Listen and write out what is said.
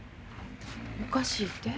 おかしいて？